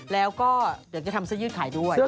แล้วก็เดี๋ยวจะทำเสื้อยืดขายด้วย